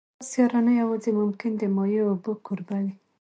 دا سیاره نه یوازې ممکن د مایع اوبو کوربه وي